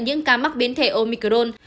những cá mắc biến thể omicron